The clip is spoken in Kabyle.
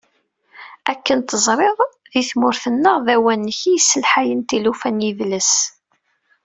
Akken teẓriḍ, di tmurt-nneɣ, d awanek i yesselḥayen tilufa n yidles.